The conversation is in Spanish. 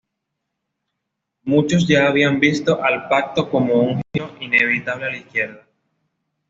Muchos ya habían visto al pacto como un giro inevitable a la izquierda.